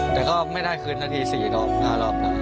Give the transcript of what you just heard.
แต่ก็ไม่ได้คืน๑นาที๔รอบน่ะ